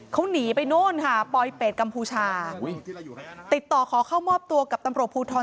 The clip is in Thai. เขาหนีไปนู่นค่ะปลอยเป็ดกัมพูชาติดต่อขอเข้ามอบตัวกับตำรวจภูทร